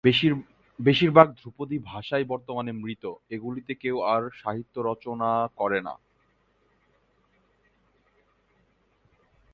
বেশির ভাগ ধ্রুপদী ভাষাই বর্তমানে মৃত, এগুলিতে এখন আর কেউ সাহিত্য রচনা করেন না।